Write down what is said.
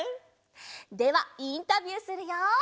ではインタビューするよ。